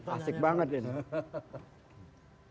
asik banget ini